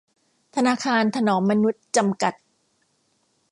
ธนาคารถนอมมนุษย์ จำกัด